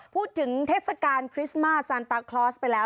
เทศกาลคริสต์มาสซานตาคลอสไปแล้ว